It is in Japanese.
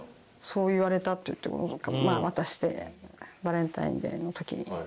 「そう言われた」って言ってまあ渡してバレンタインデーの時に。